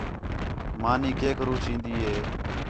مانی کیک روح چین٘دی ہی